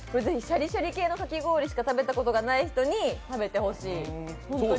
ぜひシャリシャリ系のかき氷しか食べたことがない人に食べてほしい。